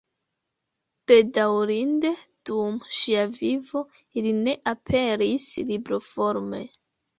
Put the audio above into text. Bedaŭrinde dum ŝia vivo ili ne aperis libroforme.